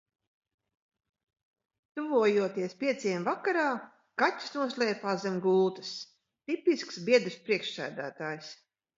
Tuvojoties pieciem vakarā, kaķis noslēpās zem gultas. Tipisks biedrs priekšsēdētājs.